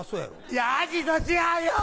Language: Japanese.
いやアジと違うよ！